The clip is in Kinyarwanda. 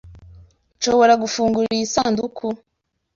Nshobora gufungura iyi sanduku?